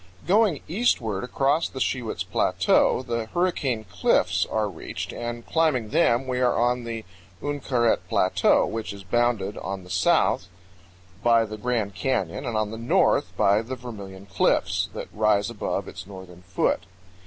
Going eastward across the Shiwits Plateau the Hurricane Cliffs are reached, and climbing them we are on the Uinkaret Plateau, which is bounded on the south by the Grand Canyon and on the north by the Vermilion Cliffs, that rise above its northern foot.